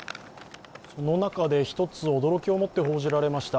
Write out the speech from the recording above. その中で一つ驚きを持って報じられました。